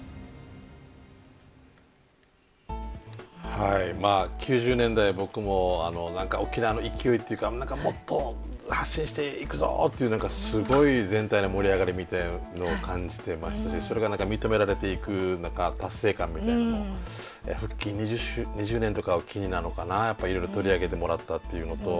はい９０年代僕も何か沖縄の勢いっていうかもっと発信していくぞっていうすごい全体の盛り上がりみたいなのを感じてましたしそれが認められていく達成感みたいのも復帰２０年とかを機になのかなやっぱいろいろ取り上げてもらったっていうのと。